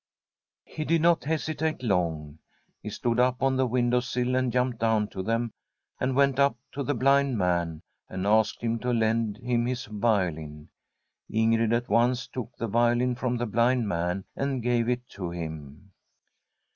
He did not hesitate long. He stood up on the window sill and jumped down to them, and he went up to the blind man and asked him to lend him his violin. Ingrid at once took the violin from the blind man and gave it to him.